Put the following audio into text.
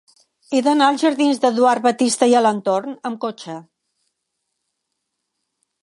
He d'anar als jardins d'Eduard Batiste i Alentorn amb cotxe.